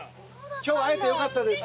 今日は会えてよかったです。